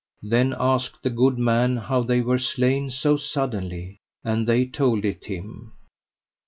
Then asked the good man how they were slain so suddenly, and they told it him.